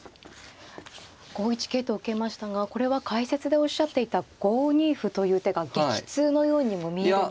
５一桂と受けましたがこれは解説でおっしゃっていた５二歩という手が激痛のようにも見えるんですが。